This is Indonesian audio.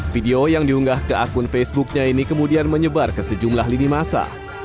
video yang diunggah ke akun facebooknya ini kemudian menyebar ke sejumlah lini masa